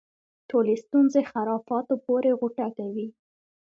ټولې ستونزې خرافاتو پورې غوټه کوي.